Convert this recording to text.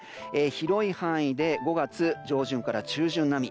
広い範囲で５月上旬から中旬並み。